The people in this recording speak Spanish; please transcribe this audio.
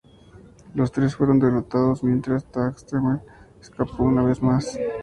Los tres fueron derrotados, mientras Taskmaster escapó una vez más.